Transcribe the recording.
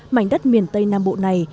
mảnh đất miền tây nam bộ này